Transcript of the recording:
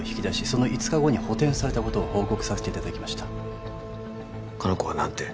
その５日後に補填されたことを報告させていただきました香菜子は何て？